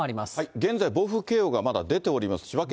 現在、暴風警報がまだ出ております、千葉県